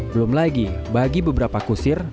belum lagi bagi beberapa kusir